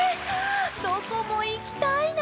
どこもいきたいな。